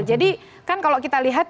jadi kan kalau kita lihat